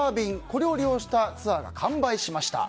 これを利用したツアーが完売しました。